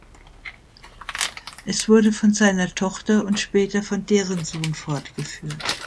Es wurde von seiner Tochter und später von deren Sohn fortgeführt.